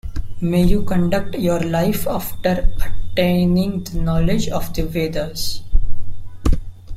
May you conduct your life after attaining the knowledge of the Vedas.